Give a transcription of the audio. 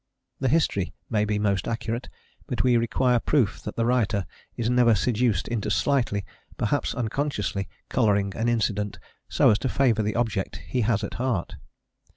The history may be most accurate, but we require proof that the writer is never seduced into slightly perhaps unconsciously colouring an incident so as to favour the object he has at heart.